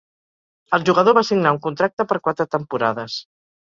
El jugador va signar un contracte per quatre temporades.